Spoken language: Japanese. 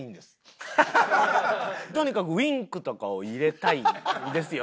とにかくウィンクとかを入れたいんですよ